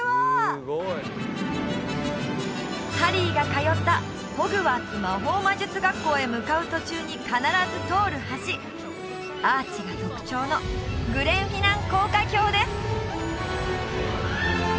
ハリーが通ったホグワーツ魔法魔術学校へ向かう途中に必ず通る橋アーチが特徴のグレンフィナン高架橋です